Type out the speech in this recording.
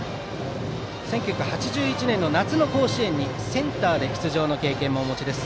１９８１年の夏の甲子園にセンターで出場の経験もお持ちです。